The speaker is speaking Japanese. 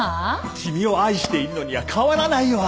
君を愛しているのには変わらないよ愛！